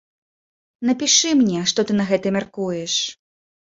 Напішы мне, што ты на гэта мяркуеш.